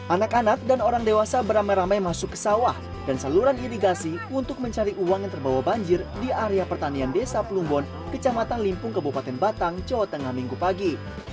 anak anak dan orang dewasa beramai ramai masuk ke sawah dan saluran irigasi untuk mencari uang yang terbawa banjir di area pertanian desa plumbon kecamatan limpung kabupaten batang jawa tengah minggu pagi